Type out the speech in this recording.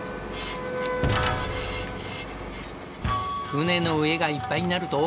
船の上がいっぱいになると。